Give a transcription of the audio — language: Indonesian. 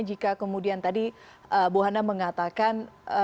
jika kemudian tadi bu hana mengatakan